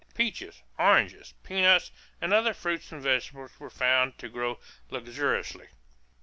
Peaches, oranges, peanuts, and other fruits and vegetables were found to grow luxuriantly.